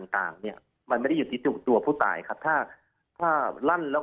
ต่างเนี่ยมันไม่ได้อยู่ที่ตัวผู้ตายครับถ้าถ้าลั่นแล้ว